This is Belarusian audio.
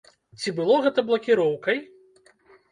Ці было гэта блакіроўкай?